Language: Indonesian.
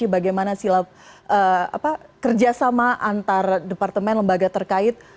bagaimana silap kerjasama antar departemen lembaga terkait